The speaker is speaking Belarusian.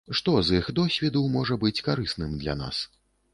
Што з іх досведу можа быць карысным для нас?